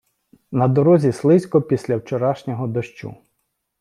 На дорозі слизько після вчорашнього дощу.